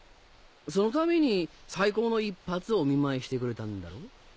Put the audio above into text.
そのために最高の一発をお見舞いしてくれたんだろ？